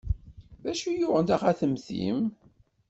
D acu i yuɣen taxatemt-im?